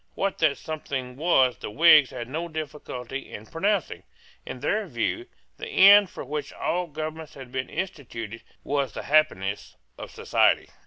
What that something was the Whigs had no difficulty in pronouncing. In their view, the end for which all governments had been instituted was the happiness of society.